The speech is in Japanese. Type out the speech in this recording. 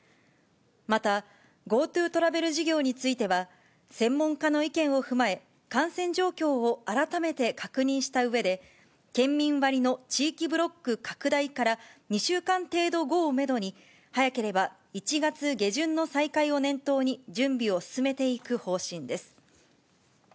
また、ＧｏＴｏトラベル事業については、専門家の意見を踏まえ、感染状況を改めて確認したうえで、県民割の地域ブロック拡大から２週間程度後をメドに、早ければ１月下旬の再開を念頭に、準備を進めていく方針です。